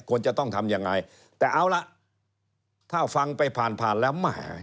ควรจะต้องทำอย่างไรแต่เอาล่ะถ้าฟังไปผ่านแล้ว